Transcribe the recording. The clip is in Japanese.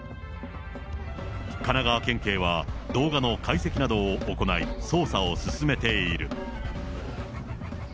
神奈川県警は、動画の解析などを行い、捜査を進めている。